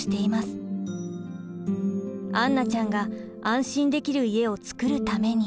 杏奈ちゃんが安心できる家をつくるために。